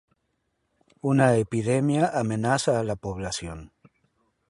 Una epidemia amenaza a la población.